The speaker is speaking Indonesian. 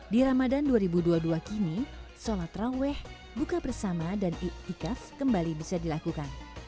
di ramadan dua ribu dua puluh dua kini sholat raweh buka bersama dan itikaf kembali bisa dilakukan